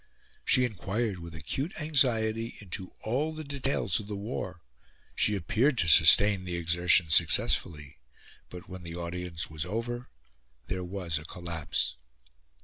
She inquired with acute anxiety into all the details of the war; she appeared to sustain the exertion successfully; but, when the audience was over, there was a collapse.